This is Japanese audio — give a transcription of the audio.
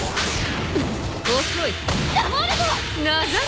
遅い。